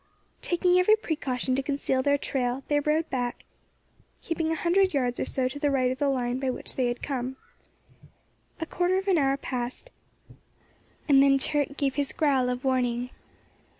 Taking every precaution to conceal their trail, they rode back, keeping a hundred yards or so to the right of the line by which they had come. A quarter of an hour passed, and then Turk gave his growl of warning.